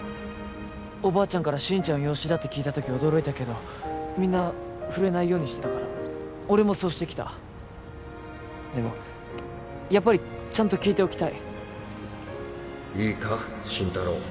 おばあちゃんから心ちゃんは養子だって聞いた時驚いたけどみんな触れないようにしてたから俺もそうしてきたでもやっぱりちゃんと聞いておきたいいいか心太朗